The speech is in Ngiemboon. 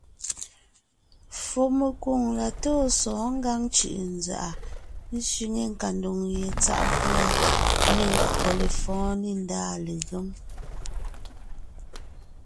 Fùɔmekwoŋ la tóo sɔ̌ɔn Ngǎŋ cʉ̀ʼʉnzàʼa sẅiŋe nkadoŋ ye tsáʼ pʉ́a nê nkÿo lefɔ̌ɔn nê ndàa legém.